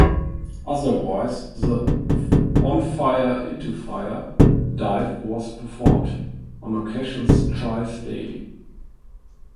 Otherwise the 'On Fire, Into Fire' dive was performed - on occasions thrice daily.